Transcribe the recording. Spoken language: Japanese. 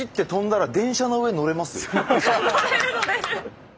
乗れる乗れる。